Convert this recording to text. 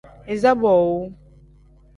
Iza boowu.